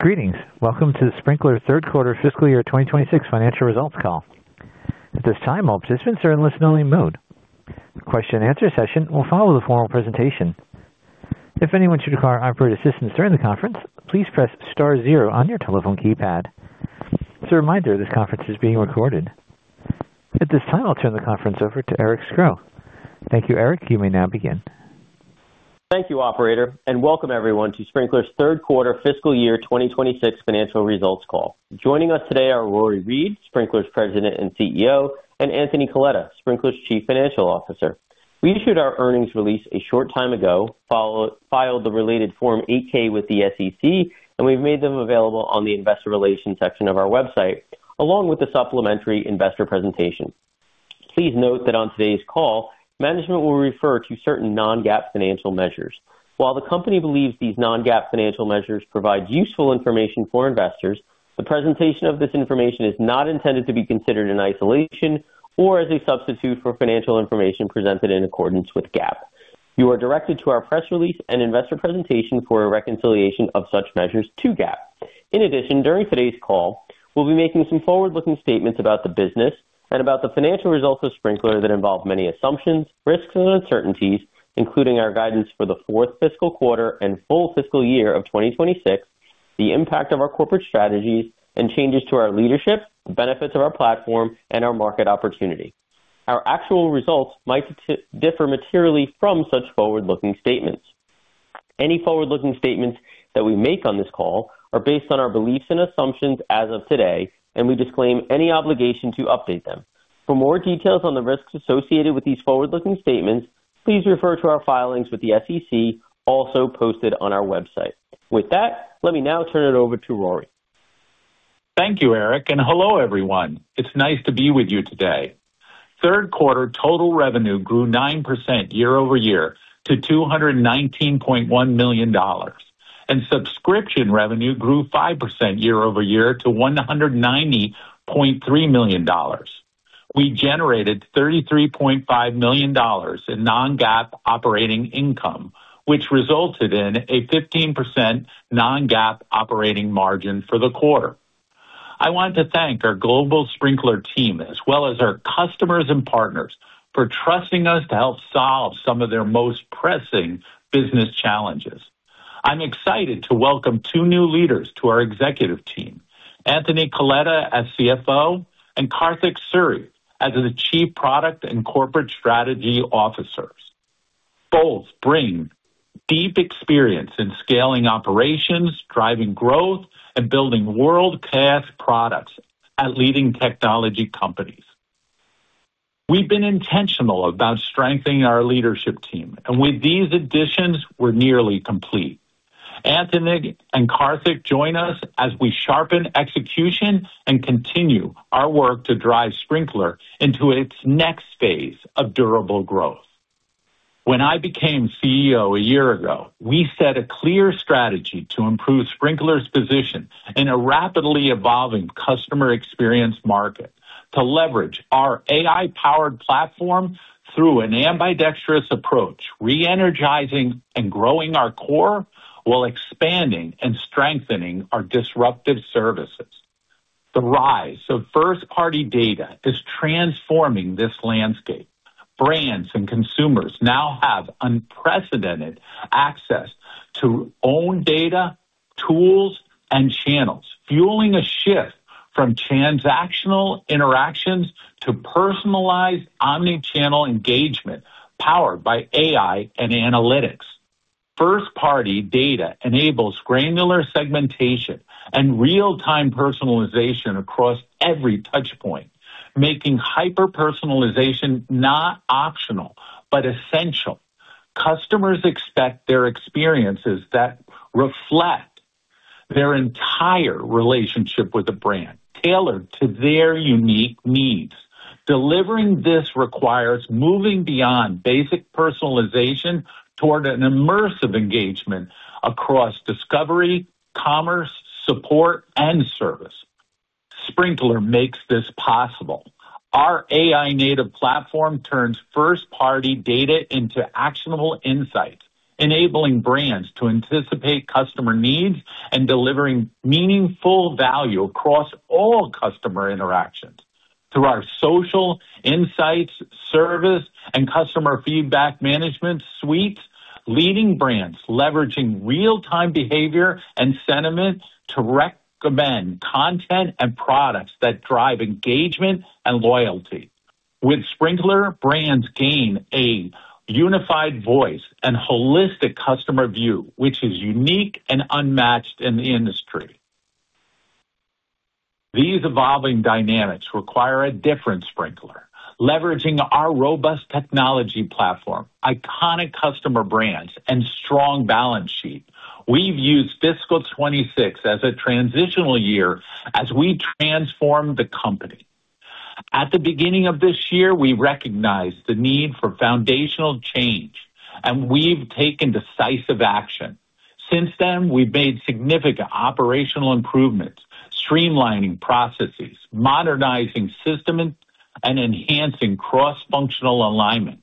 Greetings. Welcome to the Sprinklr Third Quarter Fiscal Year 2026 Financial Results Call. At this time, all participants are in a listen-only mode. The question-and-answer session will follow the formal presentation. If anyone should require operator assistance during the conference, please press Star 0 on your telephone keypad. As a reminder, this conference is being recorded. At this time, I'll turn the conference over Eric Scro. thank you, Eric. You may now begin. Thank you, Operator, and welcome everyone to Sprinklr's Third Quarter Fiscal Year 2026 Financial Results Call. Joining us today are Rory Read, Sprinklr's President and CEO, and Amitabh Misra, Sprinklr's Chief Financial Officer. We issued our earnings release a short time ago, filed the related Form 8-K with the SEC, and we've made them available on the Investor Relations section of our website, along with the supplementary investor presentation. Please note that on today's call, management will refer to certain non-GAAP financial measures. While the company believes these non-GAAP financial measures provide useful information for investors, the presentation of this information is not intended to be considered in isolation or as a substitute for financial information presented in accordance with GAAP. You are directed to our press release and investor presentation for a reconciliation of such measures to GAAP. In addition, during today's call, we'll be making some forward-looking statements about the business and about the financial results of Sprinklr that involve many assumptions, risks, and uncertainties, including our guidance for the fourth fiscal quarter and full fiscal year of 2026, the impact of our corporate strategies, and changes to our leadership, the benefits of our platform, and our market opportunity. Our actual results might differ materially from such forward-looking statements. Any forward-looking statements that we make on this call are based on our beliefs and assumptions as of today, and we disclaim any obligation to update them. For more details on the risks associated with these forward-looking statements, please refer to our filings with the SEC, also posted on our website. With that, let me now turn it over to Rory. Thank you, Eric, and hello everyone. It's nice to be with you today. Third quarter total revenue grew 9% year-over-year to $219.1 million, and subscription revenue grew 5% year-over-year to $190.3 million. We generated $33.5 million in non-GAAP operating income, which resulted in a 15% non-GAAP operating margin for the quarter. I want to thank our global Sprinklr team, as well as our customers and partners, for trusting us to help solve some of their most pressing business challenges. I'm excited to welcome two new leaders to our executive team, Amitabh Misra as CFO and Karthik Suri, as the Chief Product and Corporate Strategy Officer. Both bring deep experience in scaling operations, driving growth, and building world-class products at leading technology companies. We've been intentional about strengthening our leadership team, and with these additions, we're nearly complete. Amitabh and Karthik join us as we sharpen execution and continue our work to drive Sprinklr into its next phase of durable growth. When I became CEO a year ago, we set a clear strategy to improve Sprinklr's position in a rapidly evolving customer experience market, to leverage our AI-powered platform through an ambidextrous approach, re-energizing and growing our core while expanding and strengthening our disruptive services. The rise of first-party data is transforming this landscape. Brands and consumers now have unprecedented access to own data, tools, and channels, fueling a shift from transactional interactions to personalized omnichannel engagement powered by AI and analytics. First-party data enables granular segmentation and real-time personalization across every touchpoint, making hyper-personalization not optional but essential. Customers expect their experiences that reflect their entire relationship with a brand, tailored to their unique needs. Delivering this requires moving beyond basic personalization toward an immersive engagement across discovery, commerce, support, and service. Sprinklr makes this possible. Our AI-native platform turns first-party data into actionable insights, enabling brands to anticipate customer needs and delivering meaningful value across all customer interactions. Through our social insights, service, and Customer Feedback Management suite, leading brands leverage real-time behavior and sentiment to recommend content and products that drive engagement and loyalty. With Sprinklr, brands gain a unified voice and holistic customer view, which is unique and unmatched in the industry. These evolving dynamics require a different Sprinklr. Leveraging our robust technology platform, iconic customer brands, and strong balance sheet, we've used Fiscal 2026 as a transitional year as we transform the company. At the beginning of this year, we recognized the need for foundational change, and we've taken decisive action. Since then, we've made significant operational improvements, streamlining processes, modernizing systems, and enhancing cross-functional alignment.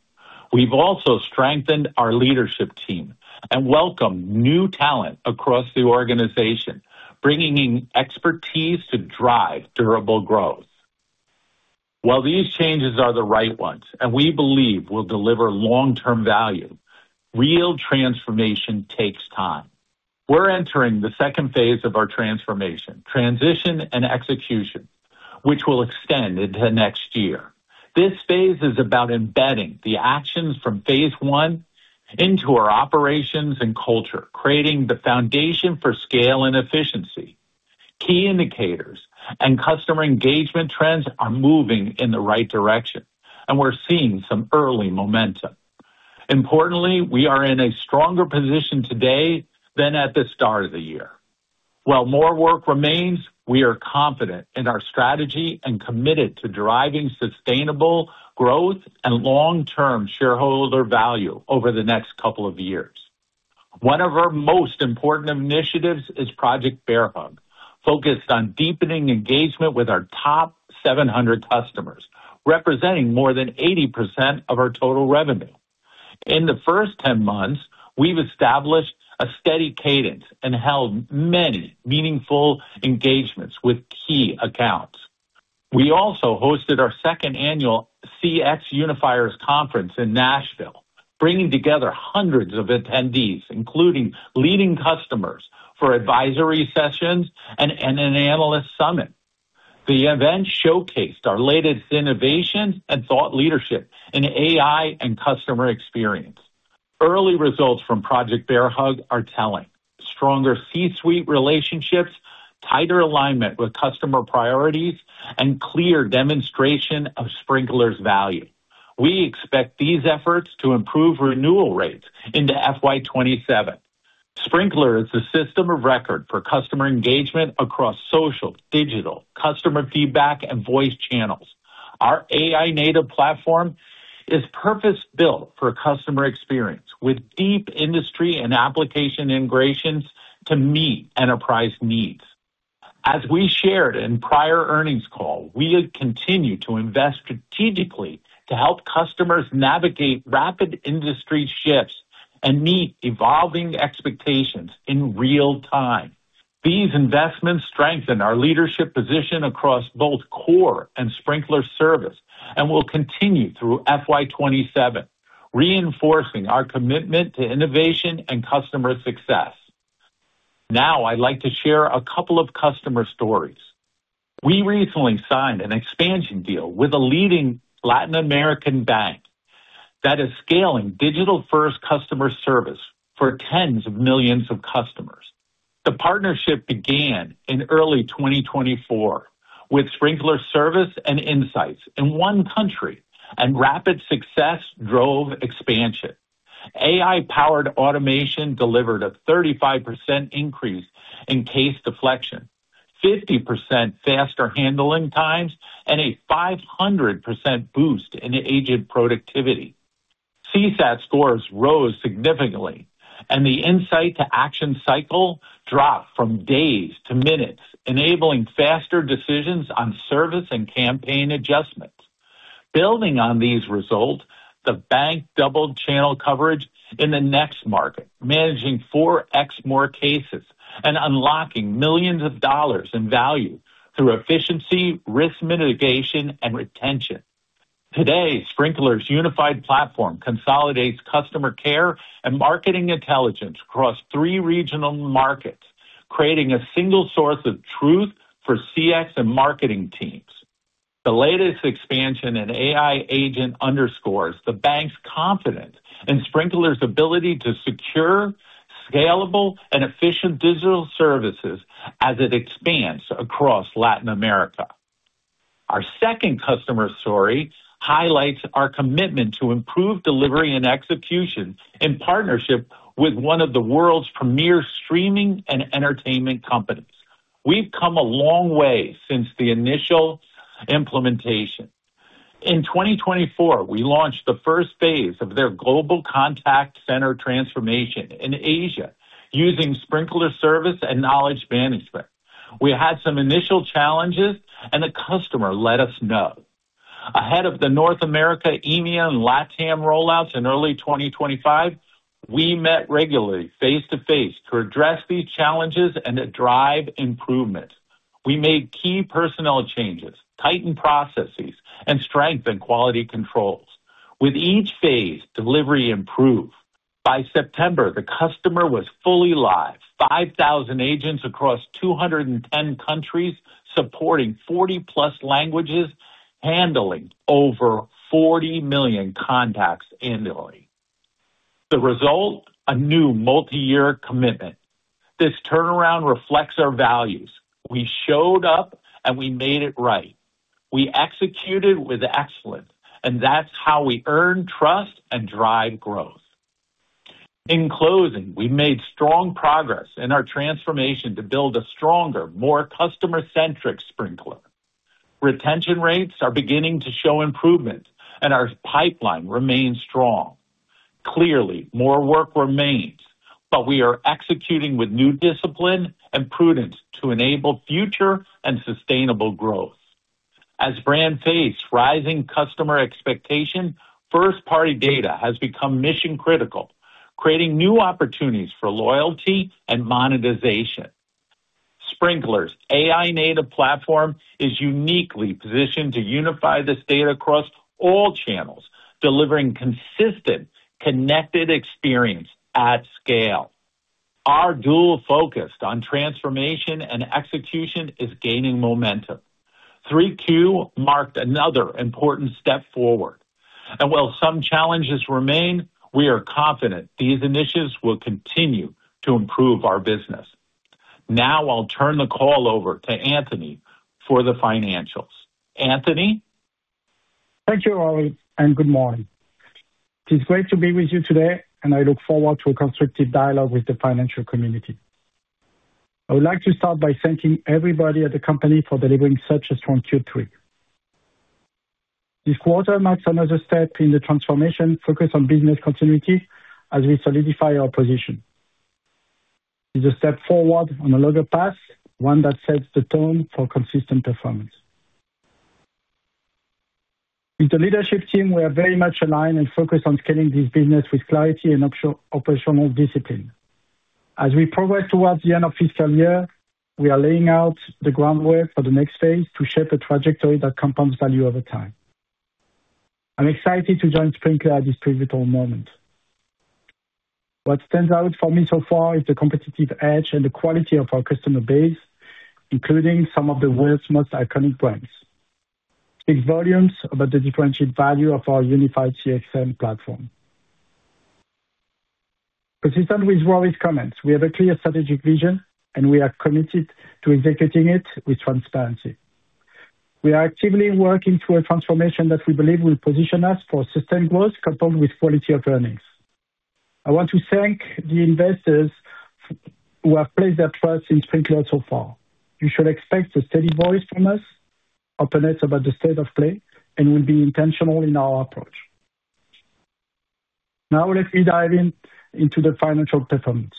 We've also strengthened our leadership team and welcomed new talent across the organization, bringing expertise to drive durable growth. While these changes are the right ones and we believe will deliver long-term value, real transformation takes time. We're entering the second phase of our transformation, transition and execution, which will extend into next year. This phase is about embedding the actions from Phase 1 into our operations and culture, creating the foundation for scale and efficiency. Key indicators and customer engagement trends are moving in the right direction, and we're seeing some early momentum. Importantly, we are in a stronger position today than at the start of the year. While more work remains, we are confident in our strategy and committed to driving sustainable growth and long-term shareholder value over the next couple of years. One of our most important initiatives is Project Bear Hug, focused on deepening engagement with our top 700 customers, representing more than 80% of our total revenue. In the first 10 months, we've established a steady cadence and held many meaningful engagements with key accounts. We also hosted our second annual CXUnifiers Conference in Nashville, bringing together hundreds of attendees, including leading customers, for advisory sessions and an analyst summit. The event showcased our latest innovations and thought leadership in AI and customer experience. Early results from Project Bear Hug are telling: stronger C-suite relationships, tighter alignment with customer priorities, and clear demonstration of Sprinklr's value. We expect these efforts to improve renewal rates into FY 2027. Sprinklr is a system of record for customer engagement across social, digital, customer feedback, and voice channels. Our AI-native platform is purpose-built for customer experience, with deep industry and application integrations to meet enterprise needs. As we shared in prior earnings call, we continue to invest strategically to help customers navigate rapid industry shifts and meet evolving expectations in real time. These investments strengthen our leadership position across both core and Sprinklr Service and will continue through FY 2027, reinforcing our commitment to innovation and customer success. Now, I'd like to share a couple of customer stories. We recently signed an expansion deal with a leading Latin American bank that is scaling digital-first customer service for tens of millions of customers. The partnership began in early 2024 with Sprinklr Service and Sprinklr Insights in one country, and rapid success drove expansion. AI-powered automation delivered a 35% increase in case deflection, 50% faster handling times, and a 500% boost in agent productivity. CSAT scores rose significantly, and the insight-to-action cycle dropped from days to minutes, enabling faster decisions on service and campaign adjustments. Building on these results, the bank doubled channel coverage in the next market, managing 4x more cases and unlocking millions of dollars in value through efficiency, risk mitigation, and retention. Today, Sprinklr's unified platform consolidates customer care and marketing intelligence across three regional markets, creating a single source of truth for CX and marketing teams. The latest expansion in AI agents underscores the bank's confidence in Sprinklr's ability to secure scalable and efficient digital services as it expands across Latin America. Our second customer story highlights our commitment to improved delivery and execution in partnership with one of the world's premier streaming and entertainment companies. We've come a long way since the initial implementation. In 2024, we launched the first phase of their global contact center transformation in Asia using Sprinklr Service and Knowledge Management. We had some initial challenges, and the customer let us know. Ahead of North America, EMEA and LATAM rollouts in early 2025, we met regularly face-to-face to address these challenges and to drive improvement. We made key personnel changes, tightened processes, and strengthened quality controls. With each phase, delivery improved. By September, the customer was fully live, 5,000 agents across 210 countries supporting 40+ languages, handling over 40 million contacts annually. The result? A new multi-year commitment. This turnaround reflects our values. We showed up, and we made it right. We executed with excellence, and that's how we earn trust and drive growth. In closing, we made strong progress in our transformation to build a stronger, more customer-centric Sprinklr. Retention rates are beginning to show improvement, and our pipeline remains strong. Clearly, more work remains, but we are executing with new discipline and prudence to enable future and sustainable growth. As brands face rising customer expectations, first-party data has become mission-critical, creating new opportunities for loyalty and monetization. Sprinklr's AI-native platform is uniquely positioned to unify this data across all channels, delivering consistent, connected experience at scale. Our dual focus on transformation and execution is gaining momentum. Q3 marked another important step forward, and while some challenges remain, we are confident these initiatives will continue to improve our business. Now, I'll turn the call over to Amitabh for the financials. Amitabh? Thank you, Rory, and good morning. It's great to be with you today, and I look forward to a constructive dialogue with the financial community. I would like to start by thanking everybody at the company for delivering such a strong Q3. This quarter marks another step in the transformation focused on business continuity as we solidify our position. It's a step forward on a longer path, one that sets the tone for consistent performance. With the leadership team, we are very much aligned and focused on scaling this business with clarity and operational discipline. As we progress towards the end of fiscal year, we are laying out the groundwork for the next phase to shape a trajectory that compounds value over time. I'm excited to join Sprinklr at this pivotal moment. What stands out for me so far is the competitive edge and the quality of our customer base, including some of the world's most iconic brands. Big volumes, but the differentiated value of our Unified-CXM platform. Consistent with Rory's comments, we have a clear strategic vision, and we are committed to executing it with transparency. We are actively working through a transformation that we believe will position us for sustained growth coupled with quality of earnings. I want to thank the investors who have placed their trust in Sprinklr so far. You should expect a steady voice from us, openness about the state of play, and we'll be intentional in our approach. Now, let me dive into the financial performance.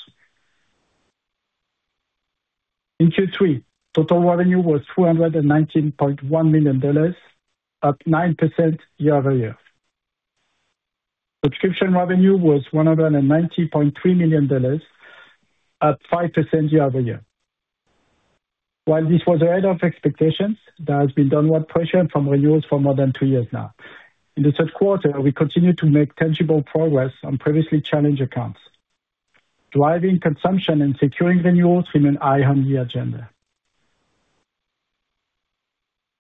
In Q3, total revenue was $219.1 million, up 9% year-over-year. Subscription revenue was $190.3 million, up 5% year-over-year. While this was ahead of expectations, there has been downward pressure from renewals for more than two years now. In the third quarter, we continued to make tangible progress on previously challenged accounts, driving consumption and securing renewals from an AI-hungry agenda.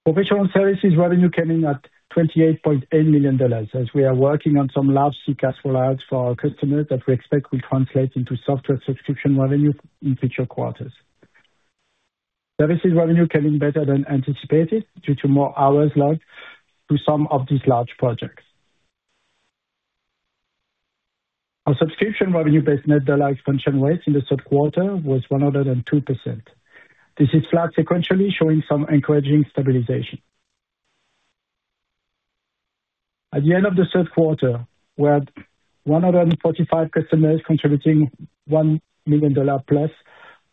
Professional services revenue came in at $28.8 million as we are working on some large CCaaS rollouts for our customers that we expect will translate into software subscription revenue in future quarters. Services revenue came in better than anticipated due to more hours logged to some of these large projects. Our subscription revenue-based Net Dollar Expansion rate in the third quarter was 102%. This is flat sequentially, showing some encouraging stabilization. At the end of the third quarter, we had 145 customers contributing $1+ million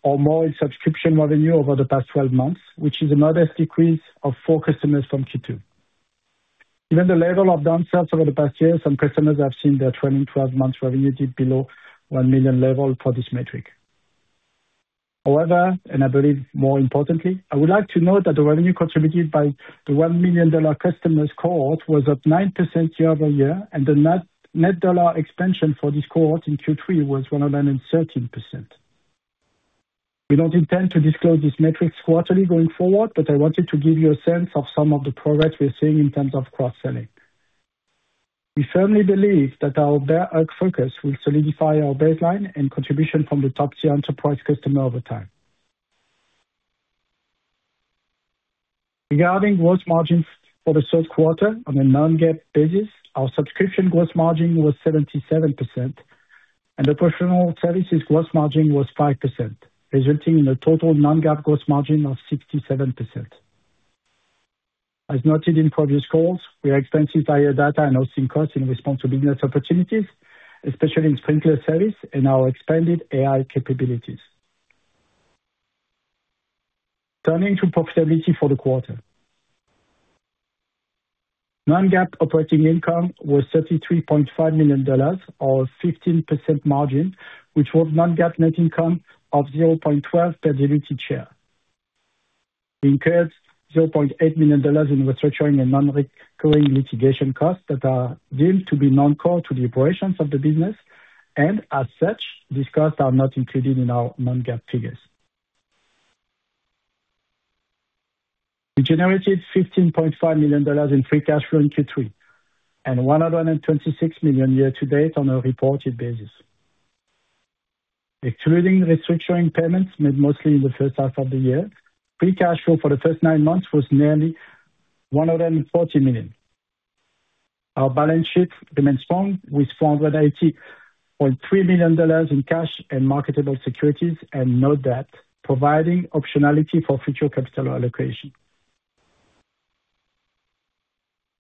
or more in subscription revenue over the past 12 months, which is another decrease of four customers from Q2. Given the level of downsells over the past year, some customers have seen their trailing 12-month revenue dip below $1 million level for this metric. However, and I believe more importantly, I would like to note that the revenue contributed by the $1 million customers' cohort was up 9% year-over-year, and the Net Dollar Expansion for this cohort in Q3 was 113%. We don't intend to disclose these metrics quarterly going forward, but I wanted to give you a sense of some of the progress we're seeing in terms of cross-selling. We firmly believe that our Bear Hug focus will solidify our baseline and contribution from the top-tier enterprise customer over time. Regarding gross margins for the third quarter, on a non-GAAP basis, our subscription gross margin was 77%, and the professional services gross margin was 5%, resulting in a total non-GAAP gross margin of 67%. As noted in previous calls, we are expensing data and outsourcing costs in response to business opportunities, especially in Sprinklr Service and our expanded AI capabilities. Turning to profitability for the quarter, non-GAAP operating income was $33.5 million, or 15% margin, which was non-GAAP net income of $0.12 per diluted share. We incurred $0.8 million in restructuring and non-recurring litigation costs that are deemed to be non-core to the operations of the business, and as such, these costs are not included in our non-GAAP figures. We generated $15.5 million in free cash flow in Q3 and $126 million year-to-date on a reported basis. Excluding restructuring payments, made mostly in the first half of the year, free cash flow for the first nine months was nearly $140 million. Our balance sheet remained strong, with $480.3 million in cash and marketable securities and no debt, providing optionality for future capital allocation.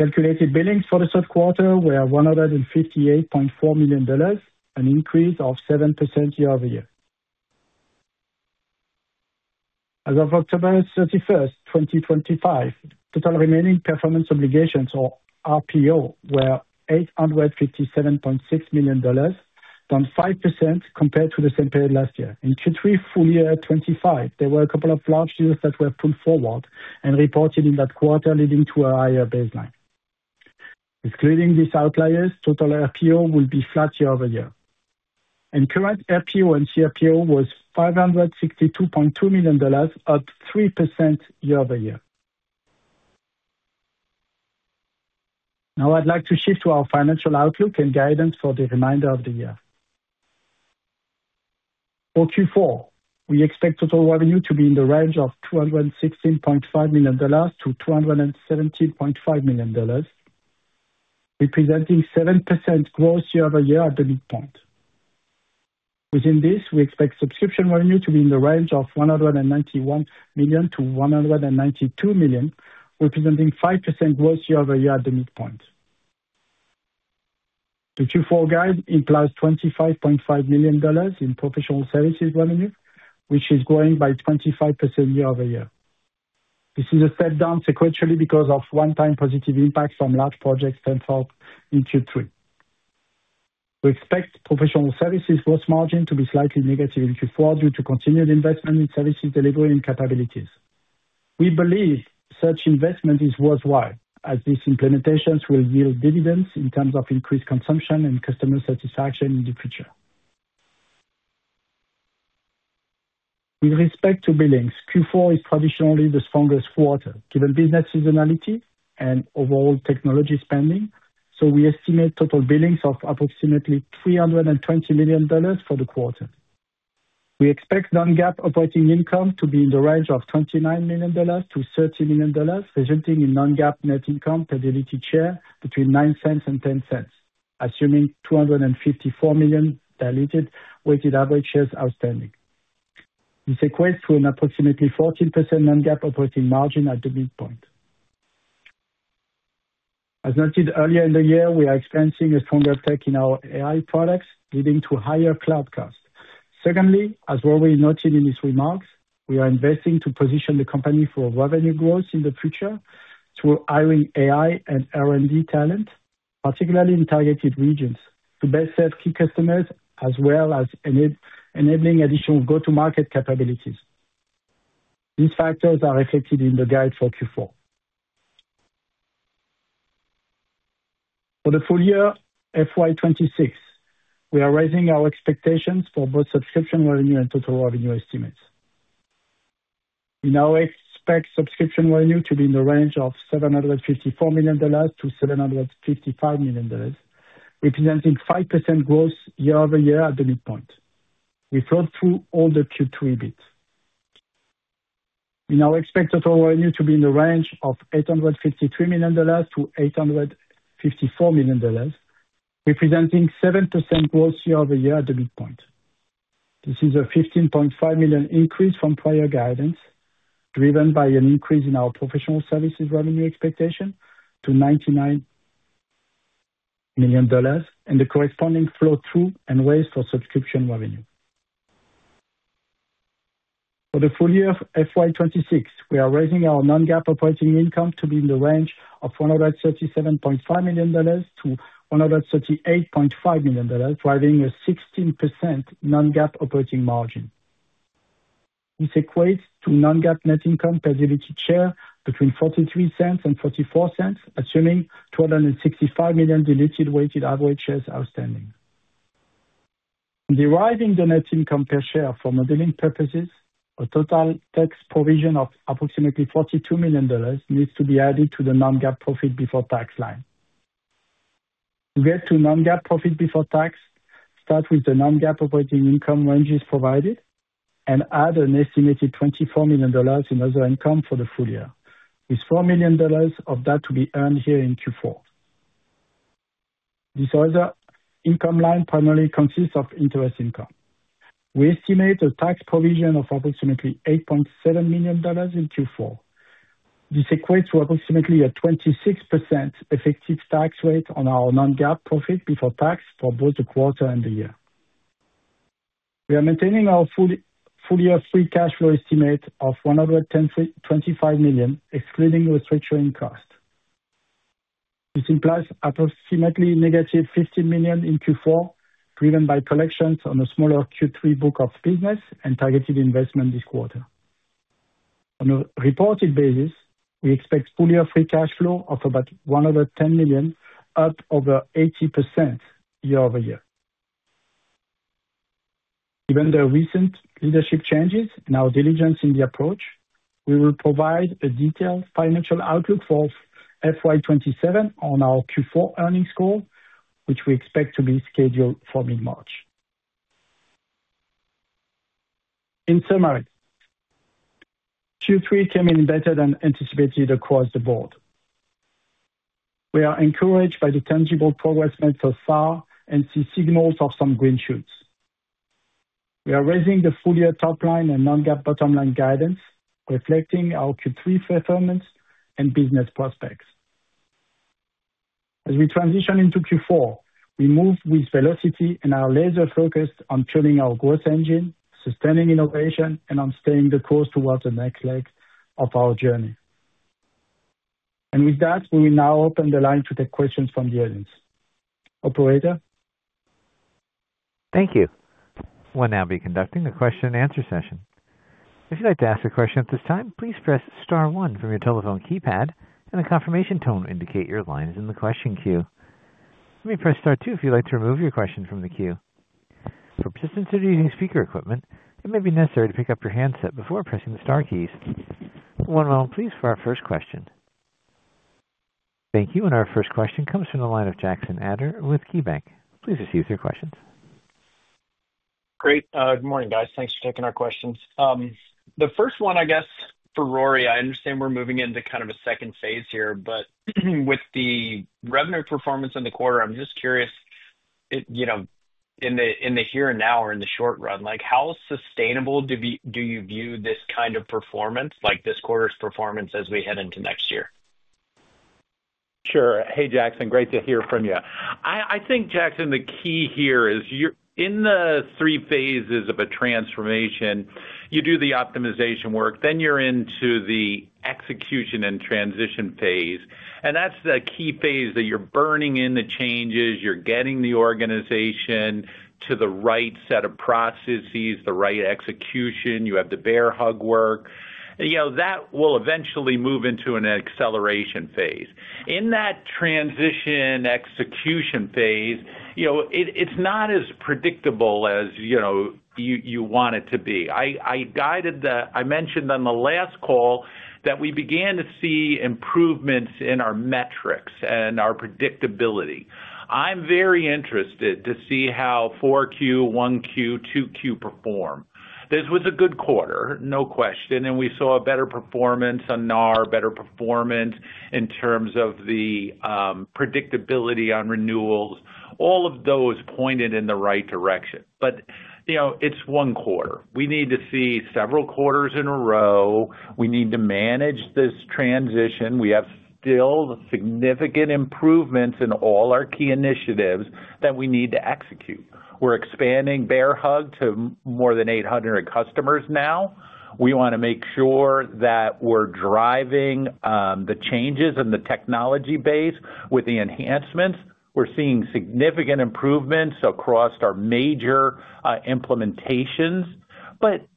Calculated billings for the third quarter were $158.4 million, an increase of 7% year-over-year. As of October 31st, 2025, total remaining performance obligations, or RPO, were $857.6 million, down 5% compared to the same period last year. In Q3, full year 2025, there were a couple of large deals that were pulled forward and reported in that quarter, leading to a higher baseline. Excluding these outliers, total RPO will be flat year-over-year, and current RPO and cRPO was $562.2 million, up 3% year-over-year. Now, I'd like to shift to our financial outlook and guidance for the remainder of the year. For Q4, we expect total revenue to be in the range of $216.5 million-$217.5 million, representing 7% growth year-over-year at the midpoint. Within this, we expect subscription revenue to be in the range of $191 million-$192 million, representing 5% growth year-over-year at the midpoint. The Q4 guide implies $25.5 million in professional services revenue, which is growing by 25% year-over-year. This is a step down sequentially because of one-time positive impacts from large projects sent forth in Q3. We expect professional services gross margin to be slightly negative in Q4 due to continued investment in services delivery and capabilities. We believe such investment is worthwhile, as these implementations will yield dividends in terms of increased consumption and customer satisfaction in the future. With respect to billings, Q4 is traditionally the strongest quarter, given business seasonality and overall technology spending, so we estimate total billings of approximately $320 million for the quarter. We expect non-GAAP operating income to be in the range of $29 million-$30 million, resulting in non-GAAP net income per diluted share between $0.09 and $0.10, assuming $254 million diluted weighted average shares outstanding. This equates to an approximately 14% non-GAAP operating margin at the midpoint. As noted earlier in the year, we are experiencing a stronger uptake in our AI products, leading to higher cloud costs. Secondly, as Rory noted in his remarks, we are investing to position the company for revenue growth in the future through hiring AI and R&D talent, particularly in targeted regions, to best serve key customers as well as enabling additional go-to-market capabilities. These factors are reflected in the guide for Q4. For the full year, FY 2026, we are raising our expectations for both subscription revenue and total revenue estimates. We now expect subscription revenue to be in the range of $754 million-$755 million, representing 5% growth year-over-year at the midpoint. We flow through all the Q3 beats. We now expect total revenue to be in the range of $853 million-$854 million, representing 7% growth year-over-year at the midpoint. This is a $15.5 million increase from prior guidance, driven by an increase in our professional services revenue expectation to $99 million and the corresponding flow-through and waiver for subscription revenue. For the full year, FY 2026, we are raising our non-GAAP operating income to be in the range of $137.5 million-$138.5 million, driving a 16% non-GAAP operating margin. This equates to non-GAAP net income per diluted share between $0.43 and $0.44, assuming 265 million diluted weighted average shares outstanding. Deriving the net income per share for modeling purposes, a total tax provision of approximately $42 million needs to be added to the non-GAAP profit before tax line. To get to non-GAAP profit before tax, start with the non-GAAP operating income ranges provided and add an estimated $24 million in other income for the full year, with $4 million of that to be earned here in Q4. This other income line primarily consists of interest income. We estimate a tax provision of approximately $8.7 million in Q4. This equates to approximately a 26% effective tax rate on our non-GAAP profit before tax for both the quarter and the year. We are maintaining our full year free cash flow estimate of $125 million, excluding restructuring costs. This implies approximately negative $15 million in Q4, driven by collections on a smaller Q3 book of business and targeted investment this quarter. On a reported basis, we expect full year free cash flow of about $110 million, up over 80% year-over-year. Given the recent leadership changes and our diligence in the approach, we will provide a detailed financial outlook for FY27 on our Q4 earnings call, which we expect to be scheduled for mid-March. In summary, Q3 came in better than anticipated across the board. We are encouraged by the tangible progress made so far and see signals of some green shoots. We are raising the full year top line and non-GAAP bottom line guidance, reflecting our Q3 performance and business prospects. As we transition into Q4, we move with velocity and are laser-focused on turning our growth engine, sustaining innovation, and on staying the course towards the next leg of our journey, and with that, we will now open the line to take questions from the audience. Operator. Thank you. We'll now be conducting the question-and-answer session. If you'd like to ask a question at this time, please press Star 1 from your telephone keypad, and a confirmation tone will indicate your line is in the question queue. You may press Star 2 if you'd like to remove your question from the queue. For participants who are using speaker equipment, it may be necessary to pick up your handset before pressing the Star keys. One moment, please, for our first question. Thank you. And our first question comes from the line of Jackson Ader with KeyBanc. Please proceed with your question. Great. Good morning, guys. Thanks for taking our questions. The first one, I guess, for Rory, I understand we're moving into kind of a second phase here, but with the revenue performance in the quarter, I'm just curious, in the here and now or in the short run, how sustainable do you view this kind of performance, like this quarter's performance, as we head into next year? Sure. Hey, Jackson. Great to hear from you. I think, Jackson, the key here is in the three phases of a transformation, you do the optimization work, then you're into the execution and transition phase. And that's the key phase that you're burning in the changes, you're getting the organization to the right set of processes, the right execution. You have the Bear Hug work. That will eventually move into an acceleration phase. In that transition execution phase, it's not as predictable as you want it to be. I mentioned on the last call that we began to see improvements in our metrics and our predictability. I'm very interested to see how 4Q, 1Q, 2Q perform. This was a good quarter, no question, and we saw better performance on NRR, better performance in terms of the predictability on renewals. All of those pointed in the right direction. But it's one quarter. We need to see several quarters in a row. We need to manage this transition. We have still significant improvements in all our key initiatives that we need to execute. We're expanding Bear Hug to more than 800 customers now. We want to make sure that we're driving the changes in the technology base with the enhancements. We're seeing significant improvements across our major implementations,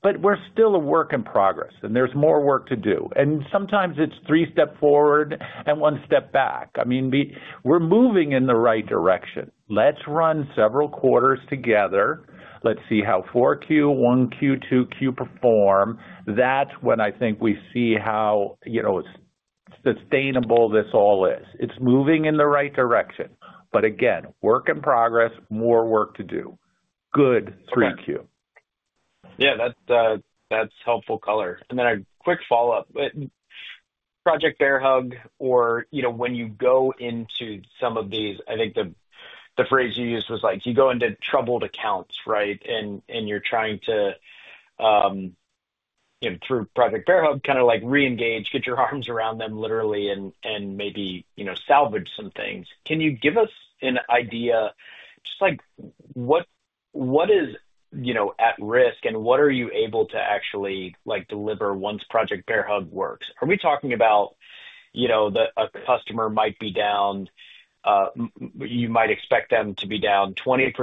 but we're still a work in progress, and there's more work to do. Sometimes it's three steps forward and one step back. I mean, we're moving in the right direction. Let's run several quarters together. Let's see how 4Q, 1Q, 2Q perform. That's when I think we see how sustainable this all is. It's moving in the right direction. But again, work in progress, more work to do. Good 3Q. Yeah, that's helpful color. And then a quick follow-up. Project Bear Hug, or when you go into some of these, I think the phrase you used was like, "You go into troubled accounts," right? And you're trying to, through Project Bear Hug, kind of re-engage, get your arms around them, literally, and maybe salvage some things. Can you give us an idea? Just what is at risk and what are you able to actually deliver once Project Bear Hug works? Are we talking about a customer that might be down, where you might expect them to be down 20%,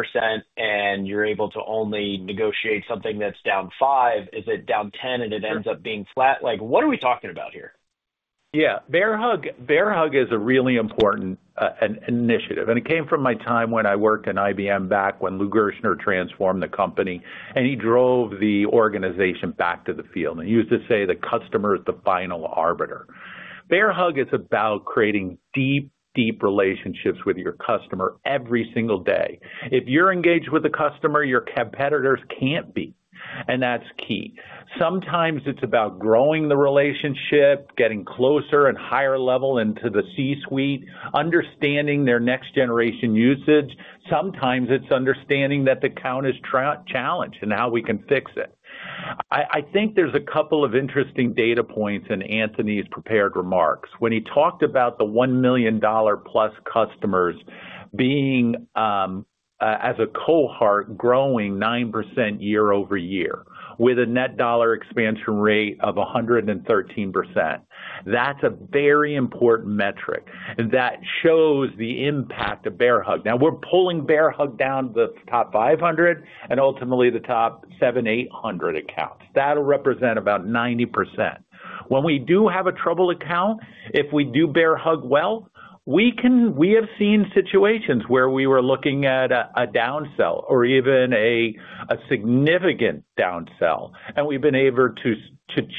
and you're able to only negotiate something that's down 5%? Is it down 10% and it ends up being flat? What are we talking about here? Yeah. Bear Hug is a really important initiative and it came from my time when I worked in IBM back when Lou Gerstner transformed the company, and he drove the organization back to the field. And he used to say, "The customer is the final arbiter." Bear Hug is about creating deep, deep relationships with your customer every single day. If you're engaged with a customer, your competitors can't be. And that's key. Sometimes it's about growing the relationship, getting closer and higher level into the C-suite, understanding their next-generation usage. Sometimes it's understanding that the account is challenged and how we can fix it. I think there's a couple of interesting data points in Amitabh's prepared remarks. When he talked about the $1 million-plus customers being, as a cohort, growing 9% year-over-year with a Net Dollar Expansion rate of 113%, that's a very important metric that shows the impact of Bear Hug. Now, we're pulling Bear Hug down the top 500 and ultimately the top 700, 800 accounts. That'll represent about 90%. When we do have a troubled account, if we do Bear Hug well, we have seen situations where we were looking at a downsell or even a significant downsell, and we've been able to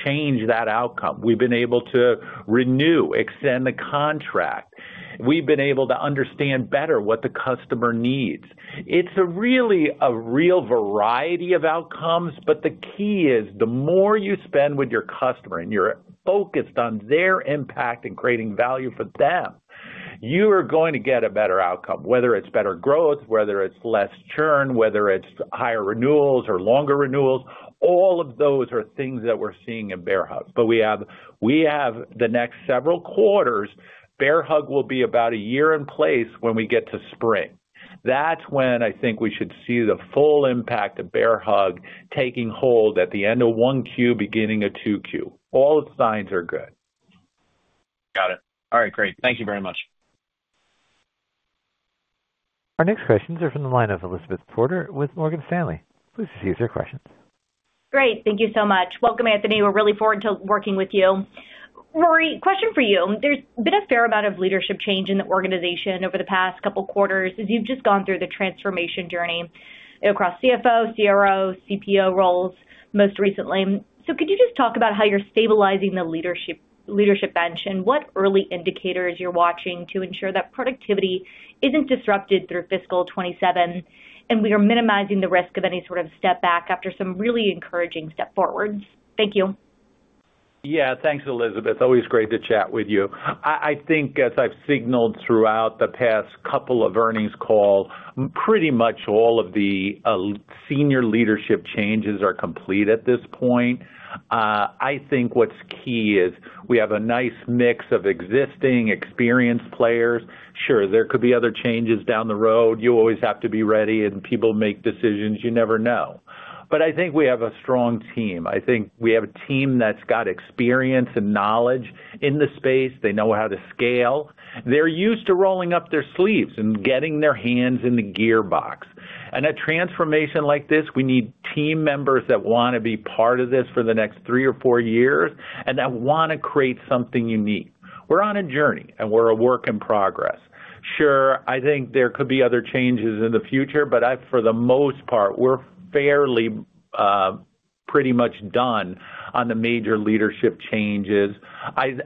change that outcome. We've been able to renew, extend the contract. We've been able to understand better what the customer needs. It's really a real variety of outcomes, but the key is the more you spend with your customer and you're focused on their impact and creating value for them, you are going to get a better outcome, whether it's better growth, whether it's less churn, whether it's higher renewals or longer renewals. All of those are things that we're seeing in Bear Hug. But we have the next several quarters. Bear Hug will be about a year in place when we get to spring. That's when I think we should see the full impact of Bear Hug taking hold at the end of 1Q, beginning of 2Q. All signs are good. Got it. All right. Great. Thank you very much. Our next questions are from the line of Elizabeth Porter with Morgan Stanley. Please proceed with your questions. Great. Thank you so much. Welcome, Amitabh. We're really looking forward to working with you. Rory, question for you. There's been a fair amount of leadership change in the organization over the past couple of quarters as you've just gone through the transformation journey across CFO, CRO, CPO roles most recently. So could you just talk about how you're stabilizing the leadership bench and what early indicators you're watching to ensure that productivity isn't disrupted through fiscal 2027, and we are minimizing the risk of any sort of step back after some really encouraging step forwards? Thank you. Yeah. Thanks, Elizabeth. Always great to chat with you. I think, as I've signaled throughout the past couple of earnings calls, pretty much all of the senior leadership changes are complete at this point. I think what's key is we have a nice mix of existing experienced players. Sure, there could be other changes down the road. You always have to be ready, and people make decisions. You never know. But I think we have a strong team. I think we have a team that's got experience and knowledge in the space. They know how to scale. They're used to rolling up their sleeves and getting their hands in the gearbox, and a transformation like this, we need team members that want to be part of this for the next three or four years and that want to create something unique. We're on a journey, and we're a work in progress. Sure, I think there could be other changes in the future, but for the most part, we're fairly pretty much done on the major leadership changes.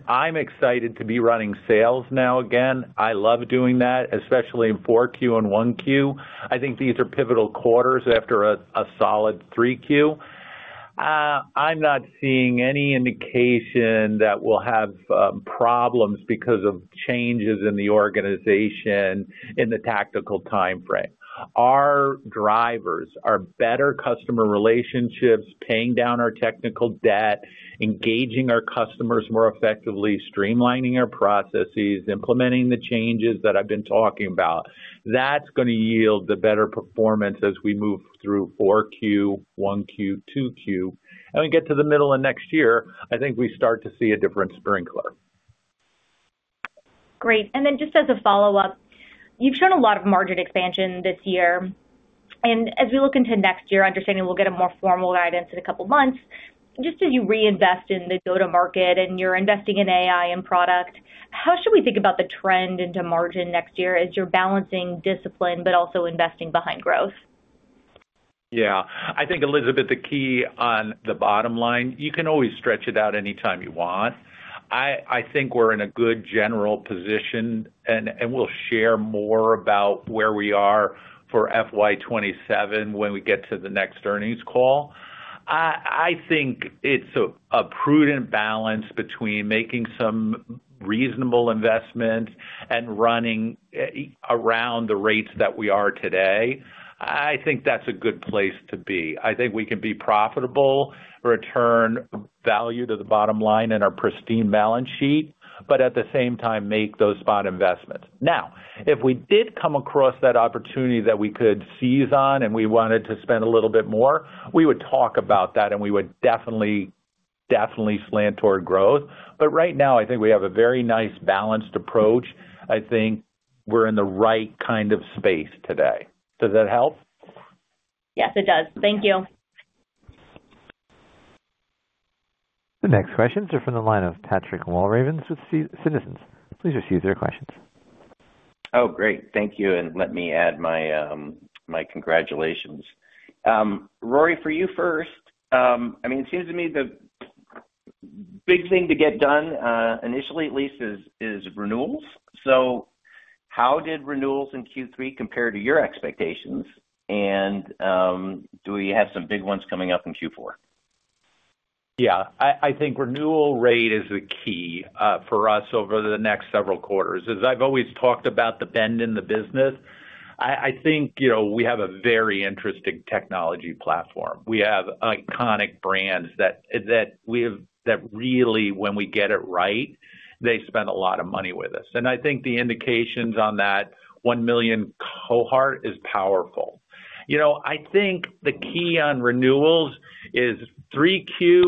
I'm excited to be running sales now again. I love doing that, especially in 4Q and 1Q. I think these are pivotal quarters after a solid 3Q. I'm not seeing any indication that we'll have problems because of changes in the organization in the tactical timeframe. Our drivers are better customer relationships, paying down our technical debt, engaging our customers more effectively, streamlining our processes, implementing the changes that I've been talking about. That's going to yield the better performance as we move through 4Q, 1Q, 2Q. And we get to the middle of next year, I think we start to see a different Sprinklr. Great. And then just as a follow-up, you've shown a lot of margin expansion this year. And as we look into next year, understanding we'll get a more formal guidance in a couple of months, just as you reinvest in the go-to-market and you're investing in AI and product, how should we think about the trend into margin next year as you're balancing discipline but also investing behind growth? Yeah. I think, Elizabeth, the key on the bottom line, you can always stretch it out anytime you want. I think we're in a good general position, and we'll share more about where we are for FY27 when we get to the next earnings call. I think it's a prudent balance between making some reasonable investment and running around the rates that we are today. I think that's a good place to be. I think we can be profitable, return value to the bottom line and our pristine balance sheet, but at the same time, make those spot investments. Now, if we did come across that opportunity that we could seize on and we wanted to spend a little bit more, we would talk about that, and we would definitely, definitely slant toward growth. But right now, I think we have a very nice balanced approach. I think we're in the right kind of space today. Does that help? Yes, it does. Thank you. The next questions are from the line of Patrick Walravens with Citizens. Please receive their questions. Oh, great. Thank you. And let me add my congratulations. Rory, for you first. I mean, it seems to me the big thing to get done, initially at least, is renewals. So how did renewals in Q3 compare to your expectations? And do we have some big ones coming up in Q4? Yeah. I think renewal rate is the key for us over the next several quarters. As I've always talked about the bend in the business, I think we have a very interesting technology platform. We have iconic brands that really, when we get it right, they spend a lot of money with us. And I think the indications on that one million cohort is powerful. I think the key on renewals is 3Q,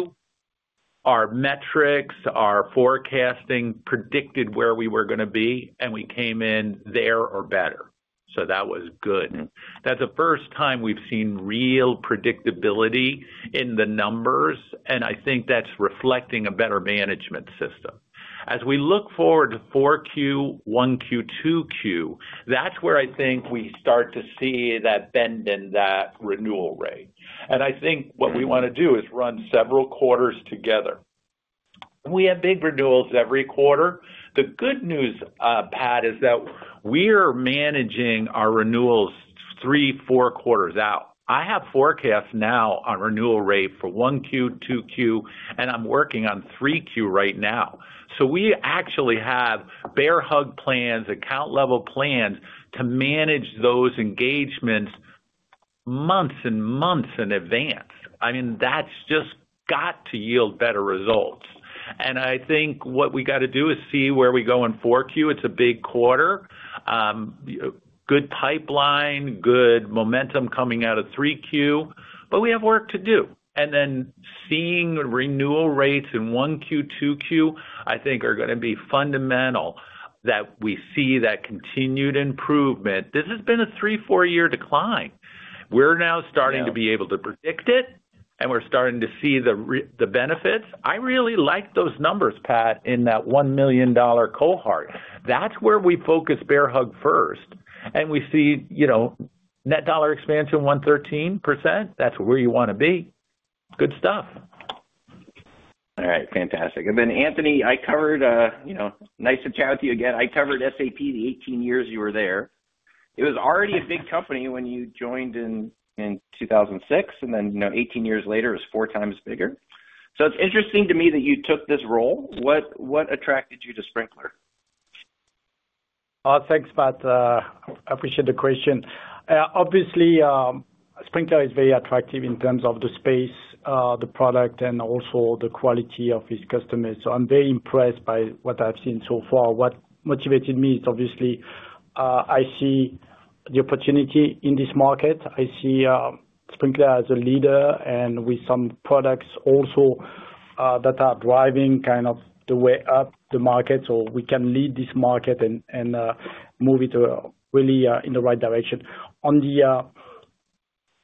our metrics, our forecasting predicted where we were going to be, and we came in there or better. So that was good. That's the first time we've seen real predictability in the numbers, and I think that's reflecting a better management system. As we look forward to 4Q, 1Q, 2Q, that's where I think we start to see that bend in that renewal rate. And I think what we want to do is run several quarters together. We have big renewals every quarter. The good news, Pat, is that we are managing our renewals three, four quarters out. I have forecasts now on renewal rate for 1Q, 2Q, and I'm working on 3Q right now. So we actually have Bear Hug plans, account-level plans to manage those engagements months and months in advance. I mean, that's just got to yield better results. And I think what we got to do is see where we go in 4Q. It's a big quarter. Good pipeline, good momentum coming out of 3Q, but we have work to do. And then seeing renewal rates in 1Q, 2Q, I think are going to be fundamental that we see that continued improvement. This has been a three, four-year decline. We're now starting to be able to predict it, and we're starting to see the benefits. I really like those numbers, Pat, in that $1 million cohort. That's where we focus Bear Hug first. And we see Net Dollar Expansion 113%. That's where you want to be. Good stuff. All right. Fantastic. And then, Amitabh, it's nice to chat with you again. I covered SAP the 18 years you were there. It was already a big company when you joined in 2006, and then 18 years later, it was four times bigger. So it's interesting to me that you took this role. What attracted you to Sprinklr? Thanks, Pat. I appreciate the question. Obviously, Sprinklr is very attractive in terms of the space, the product, and also the quality of its customers. So I'm very impressed by what I've seen so far. What motivated me is, obviously, I see the opportunity in this market. I see Sprinklr as a leader and with some products also that are driving kind of the way up the market, so we can lead this market and move it really in the right direction.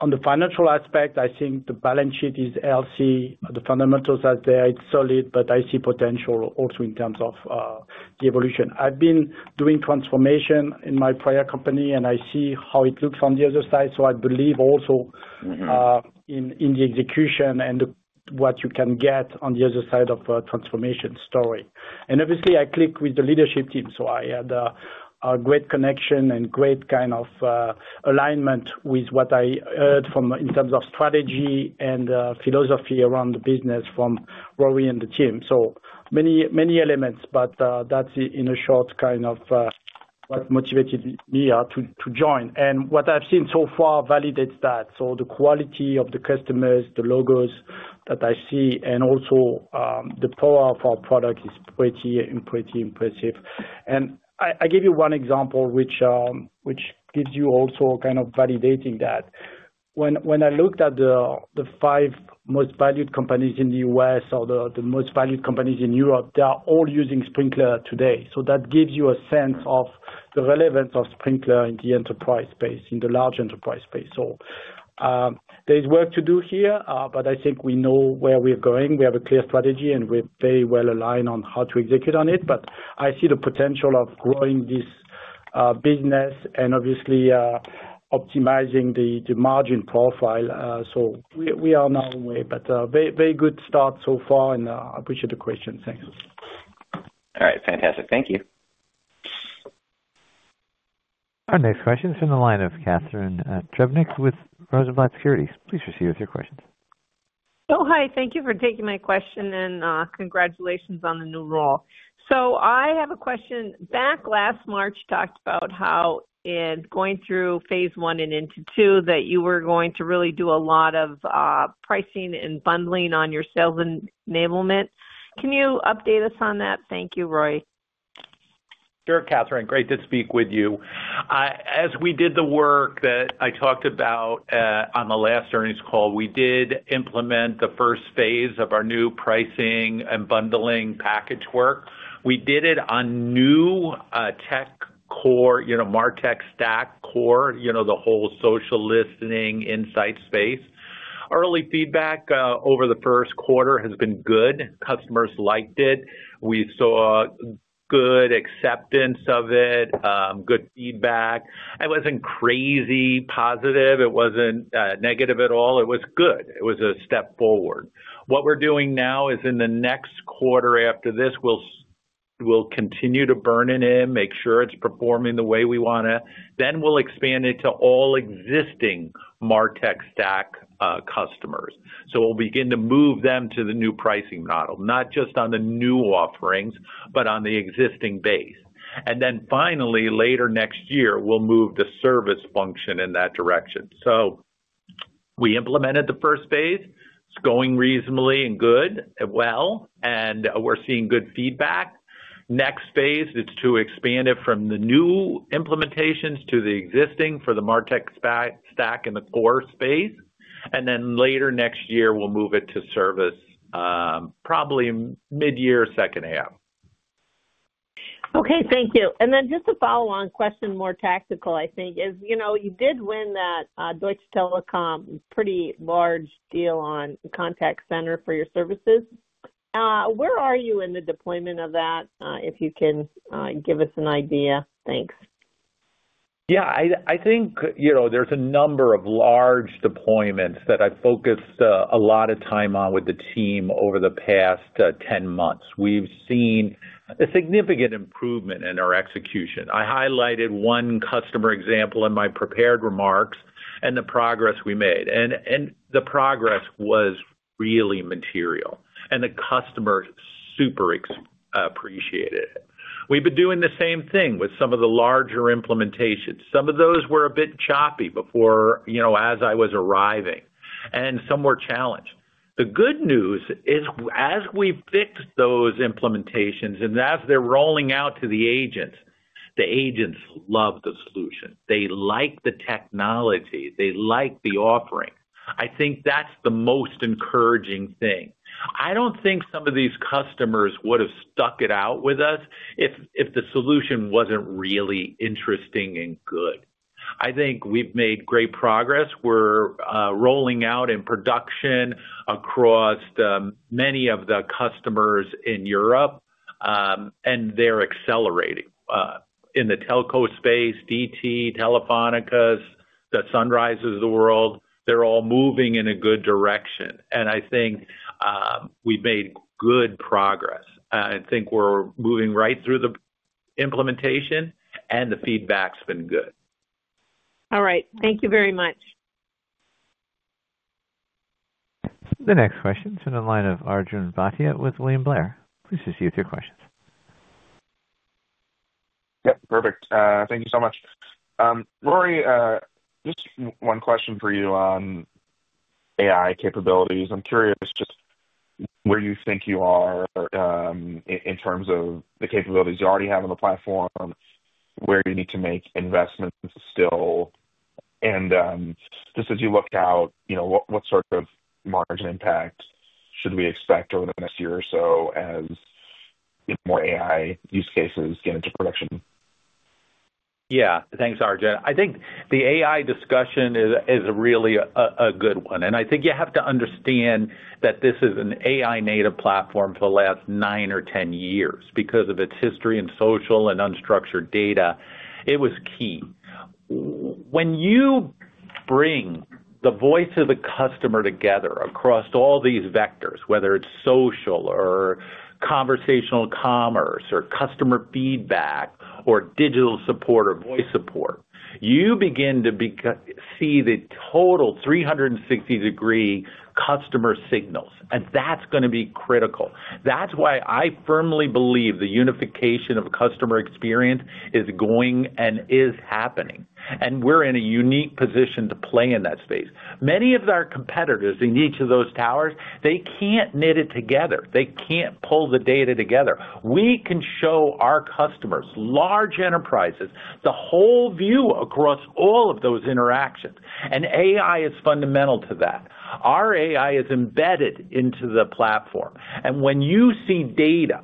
On the financial aspect, I think the balance sheet is healthy. The fundamentals are there. It's solid, but I see potential also in terms of the evolution. I've been doing transformation in my prior company, and I see how it looks on the other side. So I believe also in the execution and what you can get on the other side of a transformation story, and obviously I click with the leadership team. So I had a great connection and great kind of alignment with what I heard from them in terms of strategy and philosophy around the business from Rory and the team. So many elements, but that's, in short, kind of what motivated me to join, and what I've seen so far validates that. So the quality of the customers, the logos that I see, and also the power of our product is pretty impressive, and I give you one example which gives you also kind of validating that. When I looked at the five most valued companies in the U.S. or the most valued companies in Europe, they're all using Sprinklr today. So that gives you a sense of the relevance of Sprinklr in the enterprise space, in the large enterprise space. So there's work to do here, but I think we know where we're going. We have a clear strategy, and we're very well aligned on how to execute on it. But I see the potential of growing this business and obviously optimizing the margin profile. So we are now on our way, but very good start so far, and I appreciate the question. Thanks. All right. Fantastic. Thank you. Our next question is from the line of Catharine Trebnick with Rosenblatt Securities. Please proceed with your questions. Oh, hi. Thank you for taking my question and congratulations on the new role. So I have a question. Back last March, you talked about how in going through phase one and into two that you were going to really do a lot of pricing and bundling on your sales enablement. Can you update us on that? Thank you, Rory. Sure, Catherine. Great to speak with you. As we did the work that I talked about on the last earnings call, we did implement the first phase of our new pricing and bundling package work. We did it on new tech MarTech stack core, the whole social listening insight space. Early feedback over the first quarter has been good. Customers liked it. We saw good acceptance of it, good feedback. It wasn't crazy positive. It wasn't negative at all. It was good. It was a step forward. What we're doing now is in the next quarter after this, we'll continue to burn it in, make sure it's performing the way we want to. Then we'll expand it to all MarTech stack customers. So we'll begin to move them to the new pricing model, not just on the new offerings, but on the existing base. And then finally, later next year, we'll move the service function in that direction. So we implemented the first phase. It's going reasonably and good and well, and we're seeing good feedback. Next phase, it's to expand it from the new implementations to the existing for MarTech stack in the core space. And then later next year, we'll move it to service, probably mid-year, second half. Okay. Thank you. And then just a follow-on question, more tactical, I think, is you did win that Deutsche Telekom pretty large deal on contact center for your services. Where are you in the deployment of that, if you can give us an idea? Thanks. Yeah. I think there's a number of large deployments that I've focused a lot of time on with the team over the past 10 months. We've seen a significant improvement in our execution. I highlighted one customer example in my prepared remarks and the progress we made. And the progress was really material, and the customer super appreciated it. We've been doing the same thing with some of the larger implementations. Some of those were a bit choppy before as I was arriving, and some were challenged. The good news is as we fix those implementations and as they're rolling out to the agents, the agents love the solution. They like the technology. They like the offering. I think that's the most encouraging thing. I don't think some of these customers would have stuck it out with us if the solution wasn't really interesting and good. I think we've made great progress. We're rolling out in production across many of the customers in Europe, and they're accelerating. In the telco space, DT, Telefónica, the Sunrises of the world, they're all moving in a good direction. And I think we've made good progress. I think we're moving right through the implementation, and the feedback's been good. All right. Thank you very much. The next question is from the line of Arjun Bhatia with William Blair. Please proceed with your questions. Yep. Perfect. Thank you so much. Rory, just one question for you on AI capabilities. I'm curious just where you think you are in terms of the capabilities you already have on the platform, where you need to make investments still. And just as you look out, what sort of margin impact should we expect over the next year or so as more AI use cases get into production? Yeah. Thanks, Arjun. I think the AI discussion is really a good one. And I think you have to understand that this is an AI-native platform for the last nine or 10 years. Because of its history and social and unstructured data, it was key. When you bring the voice of the customer together across all these vectors, whether it's social or conversational commerce or customer feedback or digital support or voice support, you begin to see the total 360-degree customer signals. That's going to be critical. That's why I firmly believe the unification of customer experience is going and is happening. We're in a unique position to play in that space. Many of our competitors in each of those towers, they can't knit it together. They can't pull the data together. We can show our customers, large enterprises, the whole view across all of those interactions. AI is fundamental to that. Our AI is embedded into the platform. When you see data,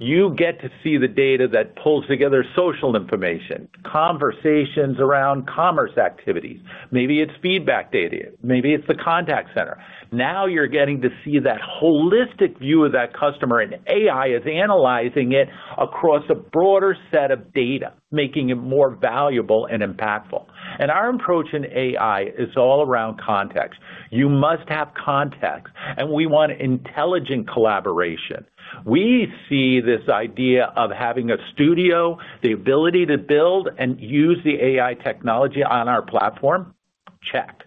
you get to see the data that pulls together social information, conversations around commerce activities. Maybe it's feedback data. Maybe it's the contact center. Now you're getting to see that holistic view of that customer, and AI is analyzing it across a broader set of data, making it more valuable and impactful. Our approach in AI is all around context. You must have context, and we want intelligent collaboration. We see this idea of having a studio, the ability to build and use the AI technology on our platform, check.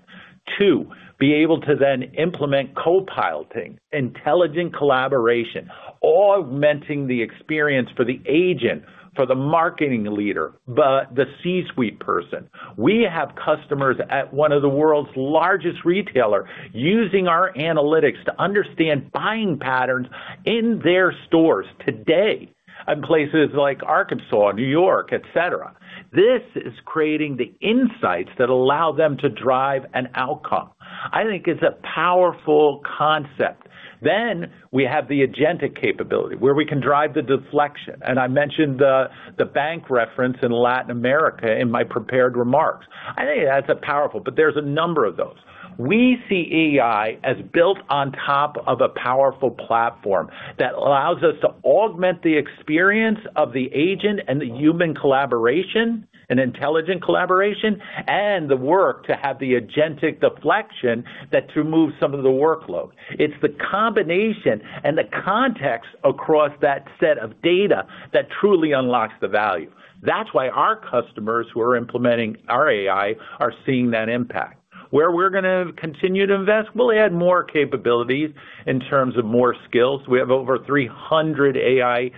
Two, be able to then implement co-piloting, intelligent collaboration, augmenting the experience for the agent, for the marketing leader, the C-suite person. We have customers at one of the world's largest retailers using our analytics to understand buying patterns in their stores today in places like Arkansas, New York, etc. This is creating the insights that allow them to drive an outcome. I think it's a powerful concept. Then we have the agentic capability where we can drive the deflection. And I mentioned the bank reference in Latin America in my prepared remarks. I think that's powerful, but there's a number of those. We see AI as built on top of a powerful platform that allows us to augment the experience of the agent and the human collaboration and intelligent collaboration and the work to have the agentic deflection that to move some of the workload. It's the combination and the context across that set of data that truly unlocks the value. That's why our customers who are implementing our AI are seeing that impact. Where we're going to continue to invest, we'll add more capabilities in terms of more skills. We have over 300 AI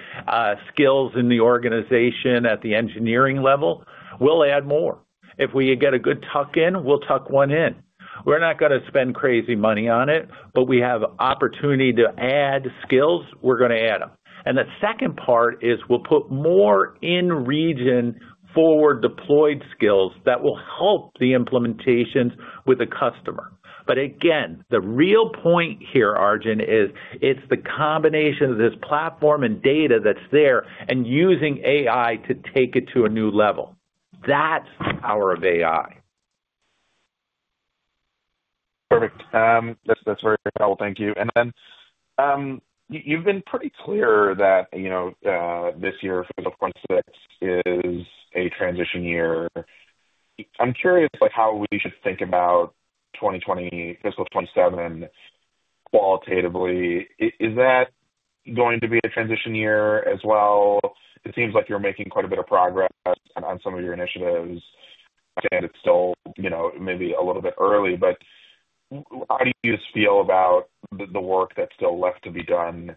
skills in the organization at the engineering level. We'll add more. If we get a good tuck in, we'll tuck one in. We're not going to spend crazy money on it, but we have opportunity to add skills. We're going to add them. And the second part is we'll put more in-region forward-deployed skills that will help the implementations with the customer. But again, the real point here, Arjun, is it's the combination of this platform and data that's there and using AI to take it to a new level. That's the power of AI. Perfect. That's very helpful. Thank you. And then you've been pretty clear that this year, 2026, is a transition year. I'm curious how we should think about 2025, 2026 qualitatively. Is that going to be a transition year as well? It seems like you're making quite a bit of progress on some of your initiatives. I understand it's still maybe a little bit early, but how do you just feel about the work that's still left to be done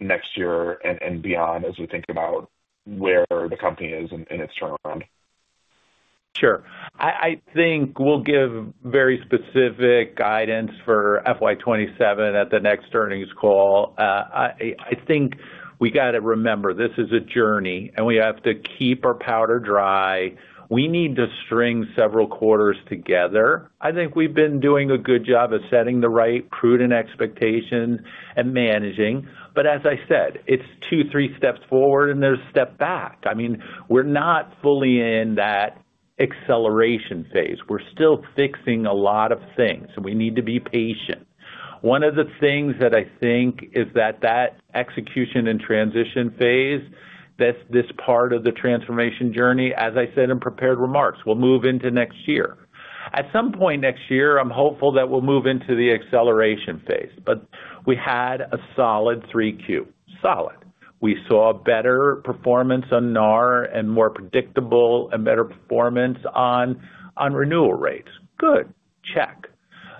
next year and beyond as we think about where the company is in its turnaround? Sure. I think we'll give very specific guidance for FY27 at the next earnings call. I think we got to remember this is a journey, and we have to keep our powder dry. We need to string several quarters together. I think we've been doing a good job of setting the right prudent expectations and managing. But as I said, it's two, three steps forward, and there's a step back. I mean, we're not fully in that acceleration phase. We're still fixing a lot of things, and we need to be patient. One of the things that I think is that the execution and transition phase, that's this part of the transformation journey, as I said in prepared remarks, will move into next year. At some point next year, I'm hopeful that we'll move into the acceleration phase. But we had a solid 3Q. Solid. We saw better performance on NRR and more predictable and better performance on renewal rates. Good. Check.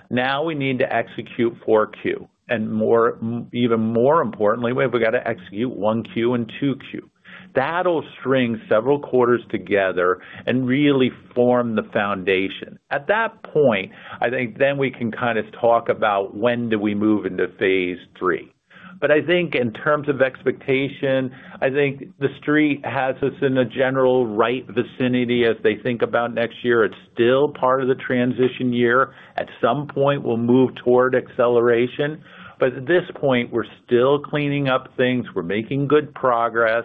Now we need to execute 4Q, and even more importantly, we've got to execute 1Q and 2Q. That'll string several quarters together and really form the foundation. At that point, I think then we can kind of talk about when do we move into phase three, but I think in terms of expectation, I think the Street has us in a general right vicinity as they think about next year. It's still part of the transition year. At some point, we'll move toward acceleration, but at this point, we're still cleaning up things. We're making good progress,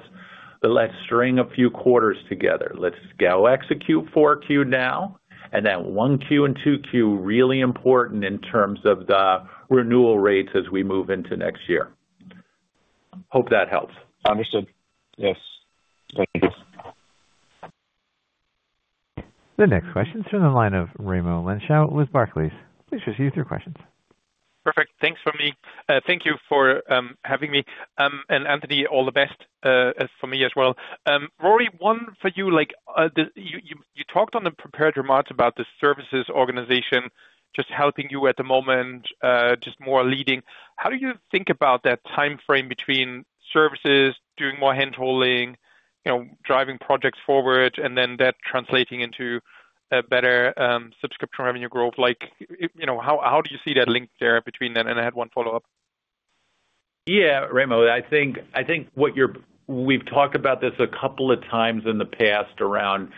but let's string a few quarters together. Let's go execute 4Q now, and that 1Q and 2Q, really important in terms of the renewal rates as we move into next year. Hope that helps. Understood. Yes. Thank you. The next question is from the line of Raimo Lenschow with Barclays. Please proceed with your questions. Perfect. Thanks for me. Thank you for having me. And Amitabh, all the best for me as well. Rory, one for you. You talked on the prepared remarks about the services organization just helping you at the moment, just more leading. How do you think about that time frame between services, doing more handholding, driving projects forward, and then that translating into a better subscription revenue growth? How do you see that linked there between that? And I had one follow-up. Yeah, Raimo. I think we've talked about this a couple of times in the past around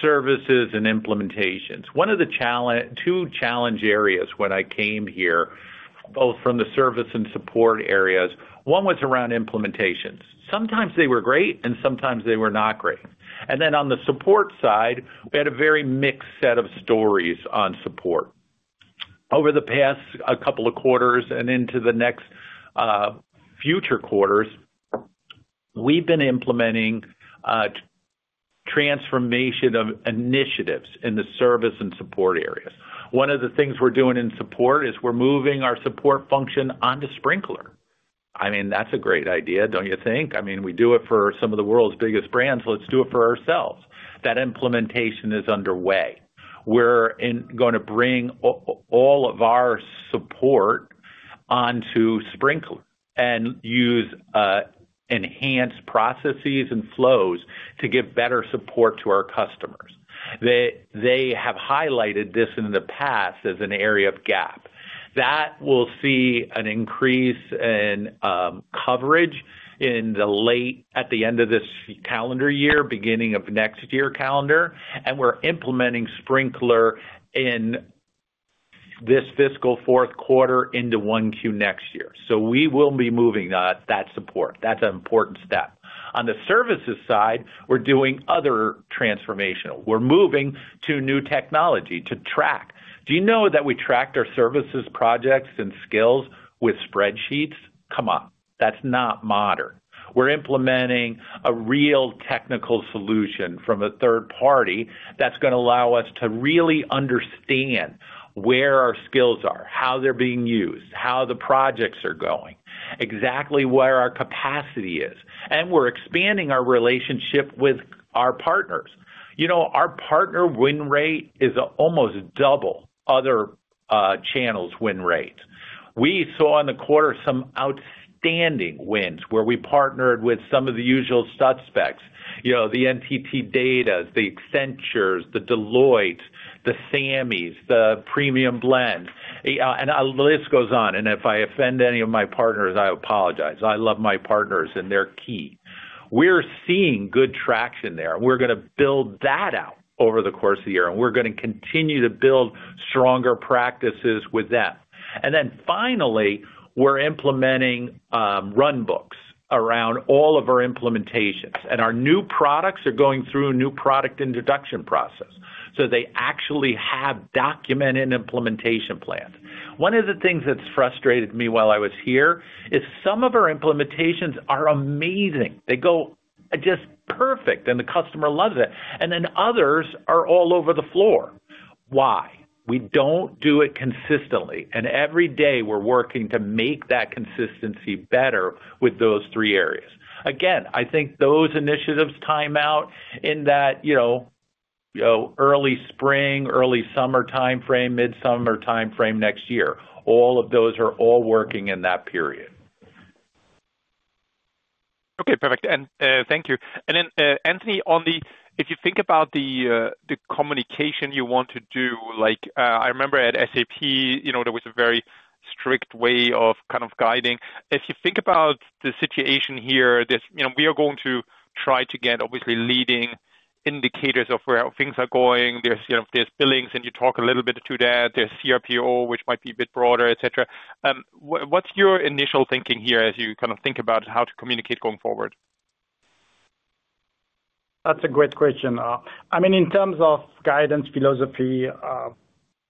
services and implementations. One of the two challenge areas when I came here, both from the service and support areas, one was around implementations. Sometimes they were great, and sometimes they were not great. And then on the support side, we had a very mixed set of stories on support. Over the past couple of quarters and into the next future quarters, we've been implementing transformation of initiatives in the service and support areas. One of the things we're doing in support is we're moving our support function onto Sprinklr. I mean, that's a great idea, don't you think? I mean, we do it for some of the world's biggest brands. Let's do it for ourselves. That implementation is underway. We're going to bring all of our support onto Sprinklr and use enhanced processes and flows to give better support to our customers. They have highlighted this in the past as an area of gap. That will see an increase in coverage at the end of this calendar year, beginning of next year calendar. And we're implementing Sprinklr in this fiscal fourth quarter into 1Q next year. So we will be moving that support. That's an important step. On the services side, we're doing other transformational. We're moving to new technology to track. Do you know that we tracked our services projects and skills with spreadsheets? Come on. That's not modern. We're implementing a real technical solution from a third party that's going to allow us to really understand where our skills are, how they're being used, how the projects are going, exactly where our capacity is. And we're expanding our relationship with our partners. Our partner win rate is almost double other channels' win rates. We saw in the quarter some outstanding wins where we partnered with some of the usual suspects, the NTT DATA, the Accenture, the Deloitte, the IBM, the premium blend. And the list goes on. And if I offend any of my partners, I apologize. I love my partners, and they're key. We're seeing good traction there. We're going to build that out over the course of the year, and we're going to continue to build stronger practices with them. And then finally, we're implementing runbooks around all of our implementations. And our new products are going through a new product introduction process. So they actually have documented implementation plans. One of the things that's frustrated me while I was here is some of our implementations are amazing. They go just perfect, and the customer loves it. And then others are all over the floor. Why? We don't do it consistently. And every day we're working to make that consistency better with those three areas. Again, I think those initiatives time out in that early spring, early summer timeframe, mid-summer timeframe next year. All of those are all working in that period. Okay. Perfect. And thank you. And then, Amitabh, if you think about the communication you want to do, I remember at SAP there was a very strict way of kind of guiding. If you think about the situation here, we are going to try to get, obviously, leading indicators of where things are going. There's billings, and you talk a little bit to that. There's cRPO, which might be a bit broader, etc. What's your initial thinking here as you kind of think about how to communicate going forward? That's a great question. I mean, in terms of guidance philosophy,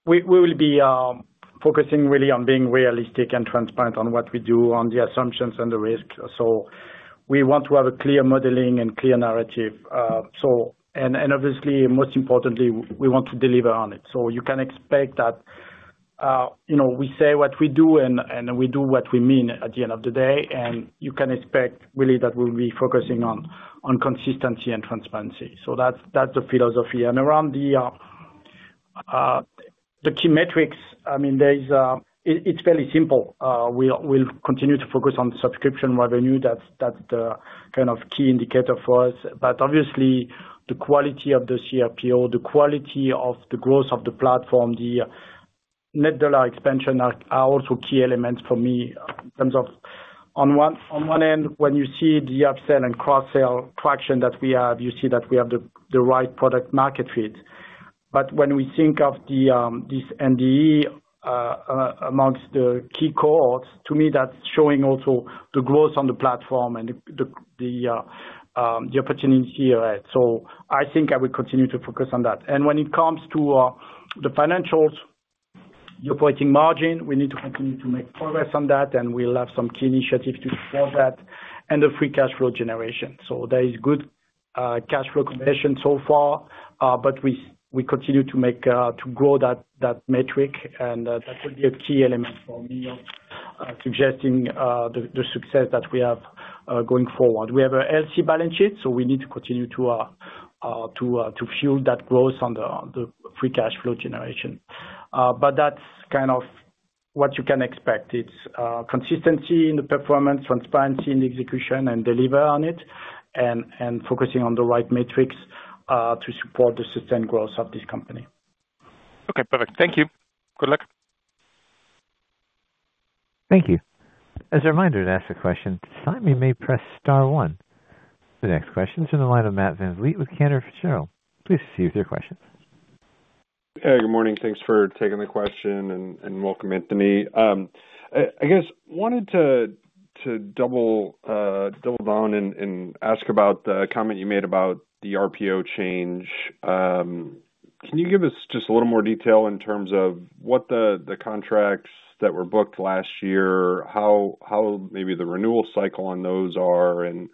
we will be focusing really on being realistic and transparent on what we do, on the assumptions and the risks. So we want to have a clear modeling and clear narrative. And obviously, most importantly, we want to deliver on it. So you can expect that we say what we do, and we do what we mean at the end of the day. And you can expect really that we'll be focusing on consistency and transparency. So that's the philosophy. And around the key metrics, I mean, it's fairly simple. We'll continue to focus on subscription revenue. That's the kind of key indicator for us. But obviously, the quality of the cRPO, the quality of the growth of the platform, the Net Dollar Expansion are also key elements for me in terms of on one end, when you see the upsell and cross-sell traction that we have, you see that we have the right product-market fit. But when we think of this NDE amongst the key cohorts, to me, that's showing also the growth on the platform and the opportunity here. I think I will continue to focus on that. When it comes to the financials, the operating margin, we need to continue to make progress on that, and we'll have some key initiatives to support that and the free cash flow generation. There is good cash flow condition so far, but we continue to grow that metric, and that will be a key element for me of suggesting the success that we have going forward. We have a healthy balance sheet, so we need to continue to fuel that growth on the free cash flow generation. That's kind of what you can expect. It's consistency in the performance, transparency in the execution, and deliver on it, and focusing on the right metrics to support the sustained growth of this company. Okay. Perfect. Thank you. Good luck. Thank you. As a reminder to ask a question, this time, you may press star one. The next question is from the line of Matt Van Vliet with Cantor Fitzgerald. Please proceed with your questions. Hey, good morning. Thanks for taking the question and welcome, Amitabh. I guess wanted to double down and ask about the comment you made about the RPO change. Can you give us just a little more detail in terms of what the contracts that were booked last year, how maybe the renewal cycle on those are, and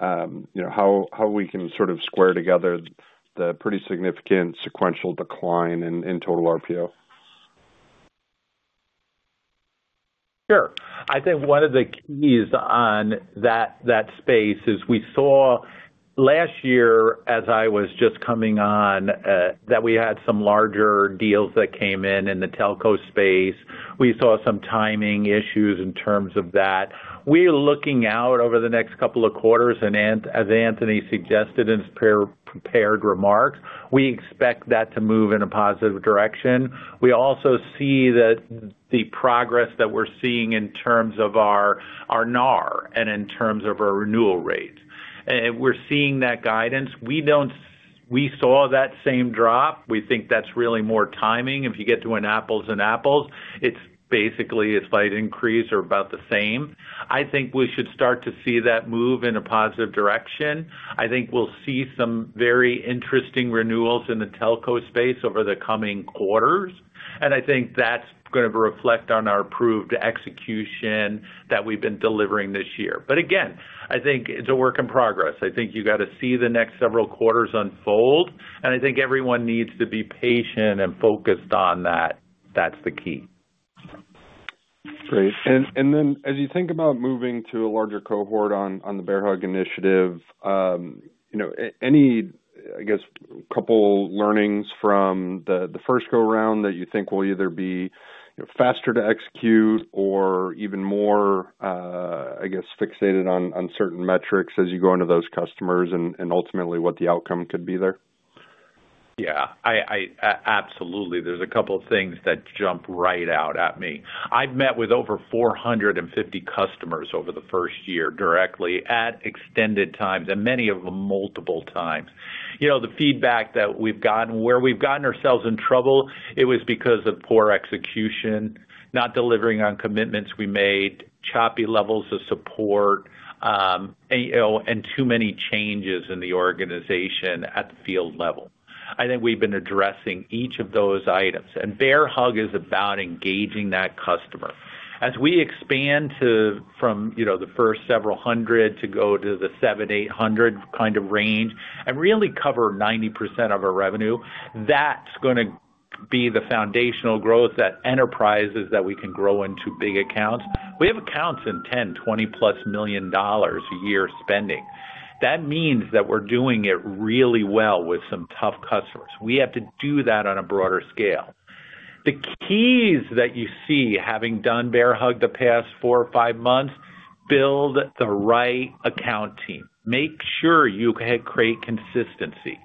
how we can sort of square together the pretty significant sequential decline in total RPO? Sure. I think one of the keys on that space is we saw last year, as I was just coming on, that we had some larger deals that came in in the telco space. We saw some timing issues in terms of that. We're looking out over the next couple of quarters, as Amitabh suggested in his prepared remarks. We expect that to move in a positive direction. We also see the progress that we're seeing in terms of our NRR and in terms of our renewal rates. And we're seeing that guidance. We saw that same drop. We think that's really more timing. If you get to an apples to apples, it's basically a slight increase or about the same. I think we should start to see that move in a positive direction. I think we'll see some very interesting renewals in the telco space over the coming quarters. And I think that's going to reflect on our proven execution that we've been delivering this year. But again, I think it's a work in progress. I think you got to see the next several quarters unfold. And I think everyone needs to be patient and focused on that. That's the key. Great. And then as you think about moving to a larger cohort on the Bear Hug initiative, any, I guess, couple learnings from the first go-round that you think will either be faster to execute or even more, I guess, fixated on certain metrics as you go into those customers and ultimately what the outcome could be there? Yeah. Absolutely. There's a couple of things that jump right out at me. I've met with over 450 customers over the first year directly at extended times, and many of them multiple times. The feedback that we've gotten, where we've gotten ourselves in trouble, it was because of poor execution, not delivering on commitments we made, choppy levels of support, and too many changes in the organization at the field level. I think we've been addressing each of those items. And Bear Hug is about engaging that customer. As we expand from the first several hundred to go to the 7,800 kind of range and really cover 90% of our revenue, that's going to be the foundational growth that enterprises that we can grow into big accounts. We have accounts in $10-$20-plus million a year spending. That means that we're doing it really well with some tough customers. We have to do that on a broader scale. The keys that you see having done Bear Hug the past four or five months, build the right account team. Make sure you create consistency.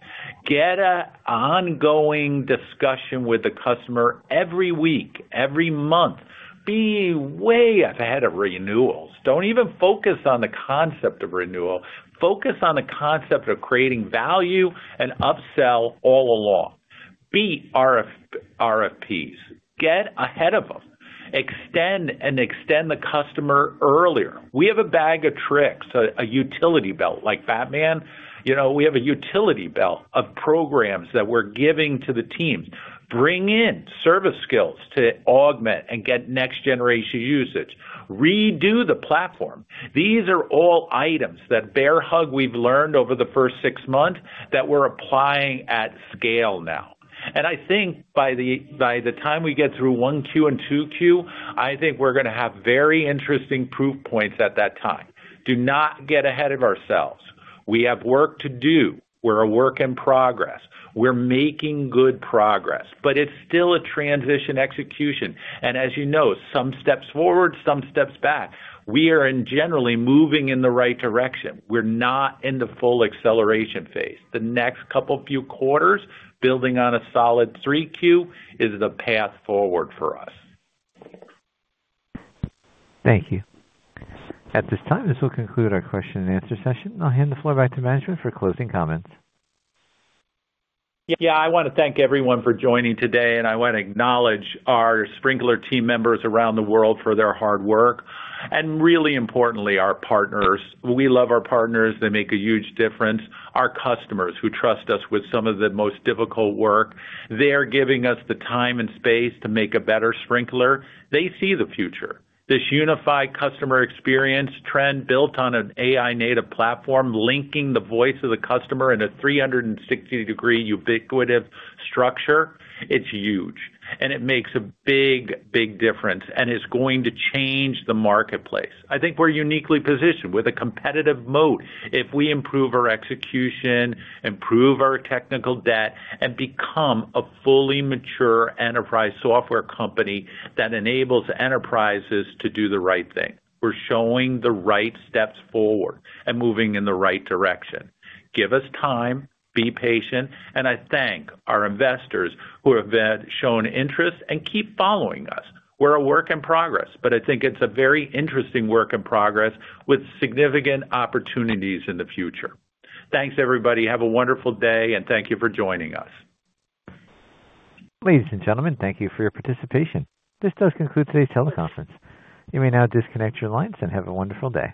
Get an ongoing discussion with the customer every week, every month. Be way ahead of renewals. Don't even focus on the concept of renewal. Focus on the concept of creating value and upsell all along. Beat RFPs. Get ahead of them. Extend and extend the customer earlier. We have a bag of tricks, a utility belt like Batman. We have a utility belt of programs that we're giving to the teams. Bring in service skills to augment and get next-generation usage. Redo the platform. These are all items that Bear Hug we've learned over the first six months that we're applying at scale now. And I think by the time we get through 1Q and 2Q, I think we're going to have very interesting proof points at that time. Do not get ahead of ourselves. We have work to do. We're a work in progress. We're making good progress. But it's still a transition execution. And as you know, some steps forward, some steps back. We are generally moving in the right direction. We're not in the full acceleration phase. The next few quarters, building on a solid 3Q, is the path forward for us. Thank you. At this time, this will conclude our question and answer session. I'll hand the floor back to management for closing comments. Yeah. I want to thank everyone for joining today, and I want to acknowledge our Sprinklr team members around the world for their hard work. And really importantly, our partners. We love our partners. They make a huge difference. Our customers who trust us with some of the most difficult work, they're giving us the time and space to make a better Sprinklr. They see the future. This unified customer experience trend built on an AI-native platform, linking the voice of the customer in a 360-degree ubiquitous structure, it's huge. And it makes a big, big difference and is going to change the marketplace. I think we're uniquely positioned with a competitive moat. If we improve our execution, improve our technical debt, and become a fully mature enterprise software company that enables enterprises to do the right thing, we're showing the right steps forward and moving in the right direction. Give us time. Be patient. And I thank our investors who have shown interest and keep following us. We're a work in progress, but I think it's a very interesting work in progress with significant opportunities in the future. Thanks, everybody. Have a wonderful day, and thank you for joining us. Ladies and gentlemen, thank you for your participation. This does conclude today's teleconference. You may now disconnect your lines and have a wonderful day.